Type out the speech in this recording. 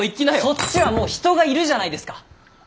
そっちはもう人がいるじゃないですか！